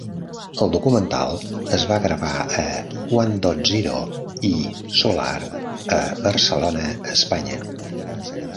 El documental es va gravar a "Onedotzero" i "Solar" a Barcelona, Espanya.